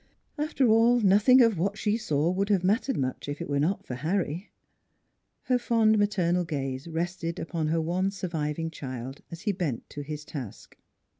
After all, nothing of what she saw would have mattered much if it were not for Harry. Her fond maternal gaze rested upon her one surviving child as he bent to his task.